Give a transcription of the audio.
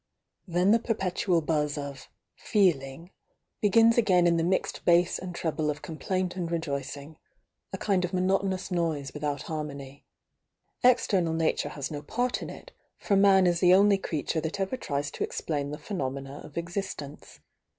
Then the per petual buzz of "feeling" begins again in the muted bass and treble of complaint and rejoicing,— a kind of monotonous noise without harmony. External Wature has no part in it, for Man is the only crea ture that ever tries to explain the phenomena of existence.